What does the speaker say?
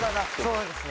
そうですね。